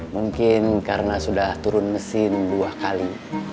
mungkin karena sudah turun mesin dua kali